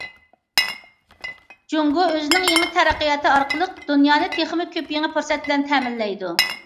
جۇڭگو ئۆزىنىڭ يېڭى تەرەققىياتى ئارقىلىق دۇنيانى تېخىمۇ كۆپ يېڭى پۇرسەت بىلەن تەمىنلەيدۇ.